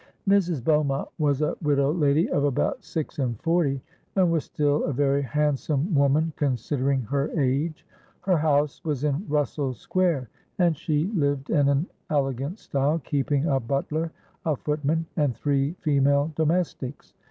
"Mrs. Beaumont was a widow lady of about six and forty, and was still a very handsome woman considering her age. Her house was in Russell Square; and she lived in an elgant style—keeping a butler, a footman, and three female domestics.